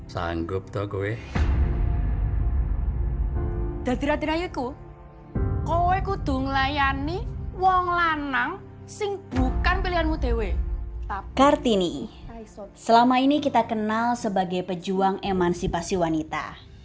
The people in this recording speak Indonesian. selama ini kita kenal sebagai pejuang emansipasi wanita